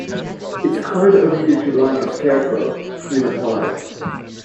"It is kind of you to like a Scarecrow," he replied.